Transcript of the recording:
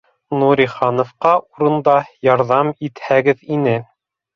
— Нурихановҡа урында ярҙам итһәгеҙ ине